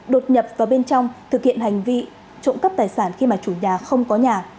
đột nhập vào bên trong thực hiện hành vi trộm cắp tài sản khi mà chủ nhà không có nhà